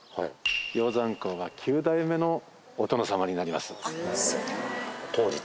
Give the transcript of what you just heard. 鷹山公は９代目のお殿様になります。